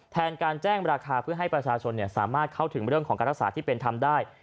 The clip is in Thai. แทนการแจ้งราคาเพื่อให้ประชาชนสามารถเข้าถึงเรื่องของการรักษาที่เป็นธรรมได้